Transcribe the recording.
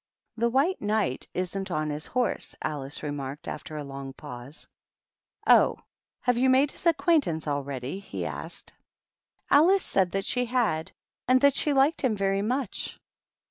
" The White Knight isn't on his horse," Alice remarked, after a long pause. "Oh, have you made his acquaintance al ready?" he asked. 292 THE PAGEANT. Alice said that she had, and that she liked hi very much.